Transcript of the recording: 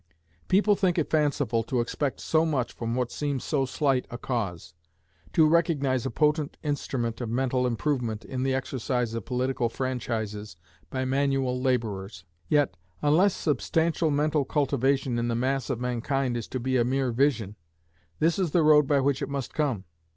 People think it fanciful to expect so much from what seems so slight a cause to recognize a potent instrument of mental improvement in the exercise of political franchises by manual laborers. Yet, unless substantial mental cultivation in the mass of mankind is to be a mere vision, this is the road by which it must come.